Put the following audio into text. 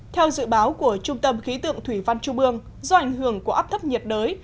theo dự báo của trung tâm khí tượng thủy văn trung ương do ảnh hưởng của áp thấp nhiệt đới